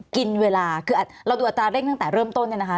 กินเวลาคือเราดูอัตราเร่งตั้งแต่เริ่มต้นเนี่ยนะคะ